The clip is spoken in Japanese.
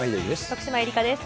徳島えりかです。